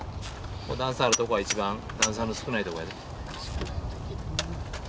ここ段差あるとこは一番段差の少ないとこやで。